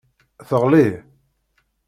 Teɣli.